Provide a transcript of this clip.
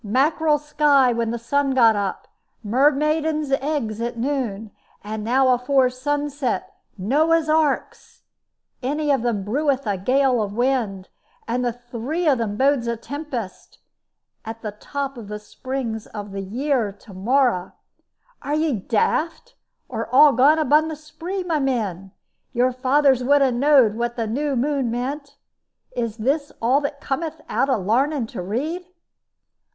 "Mackerel sky when the sun got up, mermaiden's eggs at noon, and now afore sunset Noah's Arks! Any of them breweth a gale of wind, and the three of them bodes a tempest. And the top of the springs of the year to morrow. Are ye daft, or all gone upon the spree, my men? Your fathers would 'a knowed what the new moon meant. Is this all that cometh out of larning to read?"